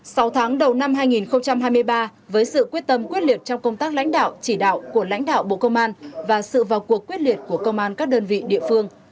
sau tháng đầu năm hai nghìn hai mươi ba với sự quyết tâm quyết liệt trong công tác lãnh đạo chỉ đạo của lãnh đạo bộ công an và sự vào cuộc quyết liệt của công an các đơn vị địa phương